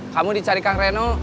kamu dicarikan reno